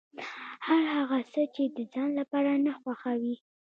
هر هغه څه چې د ځان لپاره نه خوښوې.